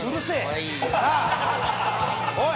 おい。